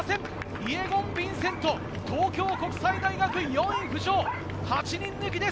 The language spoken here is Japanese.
イェゴン・ヴィンセント、東京国際大学４位浮上、８人抜きです。